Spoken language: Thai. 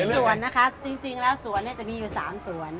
พริกสวนนะคะจริงแล้วสวนเนี่ยจะมีอยู่๓สวน